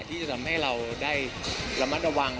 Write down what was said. ที่จะทำให้เราได้ระมัดระวัง